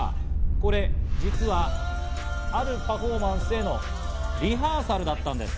これ、実はあるパフォーマンスへのリハーサルだったんです。